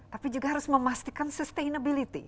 tapi juga harus memastikan sustainability